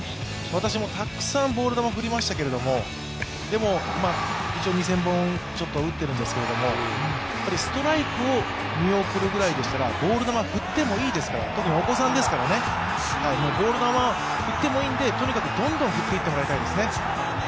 私もたくさんボール球、振りましたけれどもでも、一応２０００本ちょっと打っているんですけれども、ストライクを見送るぐらいでしたら、ボールを振ってもいいので、特にお子さんですからね、ボール球振ってもいいんでとにかくどんどん振っていってもらいたいですね。